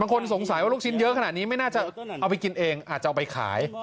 คนสงสัยว่าลูกชิ้นเยอะขนาดนี้ไม่น่าจะเอาไปกินเองอาจจะเอาไปขาย